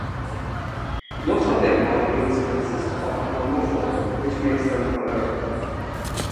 Most of their molecules consist of a chromophore which makes them colored.